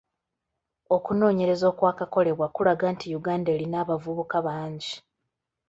Okunoonyereza okwakakolebwa kulaga nti Uganda erina abavubuka bangi.